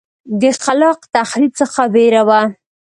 د خلاق تخریب څخه وېره وه.